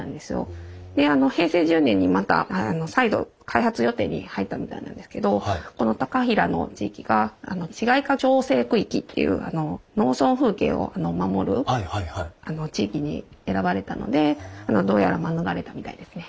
であの平成１０年にまた再度開発予定に入ったみたいなんですけどこの高平の地域が市街化調整区域っていう農村風景を守る地域に選ばれたのでどうやら免れたみたいですね。